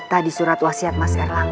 tapi aku maunya sekarang